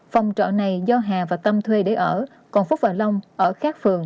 phòng trọ này do hà và tâm thuê để ở còn phúc và long ở khác phường